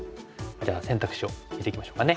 じゃあ選択肢を見ていきましょうかね。